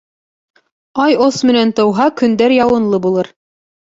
Ай ос менән тыуһа, көндәр яуынлы булыр.